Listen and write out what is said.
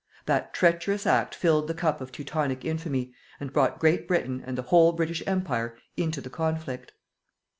That treacherous act filled the cup of teutonic infamy, and brought Great Britain, and the whole British Empire, into the conflict.